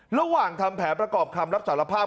ระหว่างทำแผลประกอบคำรับสารภาพ